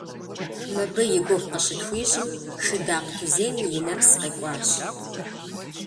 Мыбы и гугъу къыщытхуищӏым, Шыдакъ Тузем и нэпс къекӏуащ.